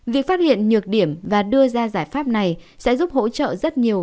việc phát hiện nhược điểm và đưa ra giải pháp này sẽ giúp hỗ trợ rất nhiều